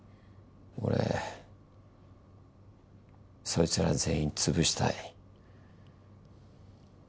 俺そいつら全員潰したい。